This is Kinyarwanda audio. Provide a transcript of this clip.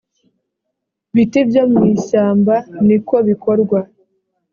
biti byo mu ishyamba ni ko bikorwa